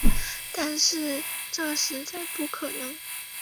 但是这实在不可能